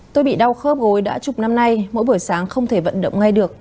tôi bị đau khớp gối đã chục năm nay mỗi buổi sáng không thể vận động ngay được